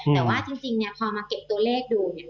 แต่ว่าจริงพอมาเก็บตัวเลขดู